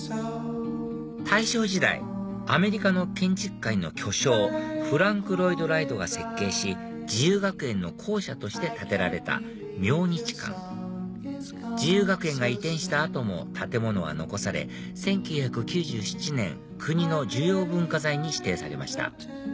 大正時代アメリカの建築界の巨匠フランク・ロイド・ライトが設計し自由学園の校舎として建てられた明日館自由学園が移転した後も建物は残され１９９７年国の重要文化財に指定されました